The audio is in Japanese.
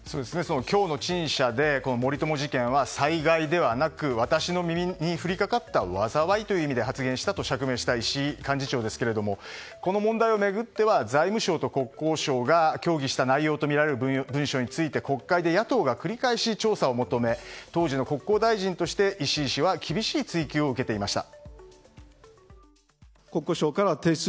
今日の陳謝で森友事件は災害ではなく私の身に降りかかった災いという意味で発言したと釈明した石井幹事長ですけどこの問題を巡っては財務省と国交省が協議した内容とみられる文書について国会で野党が繰り返し調査を求め当時の国交大臣として、石井氏は厳しい追及を受けていました。